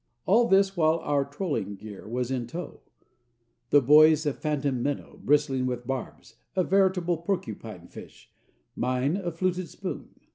All this while our trolling gear was in tow: the boy's a "phantom minnow" bristling with barbs, a veritable porcupine fish; mine a fluted spoon.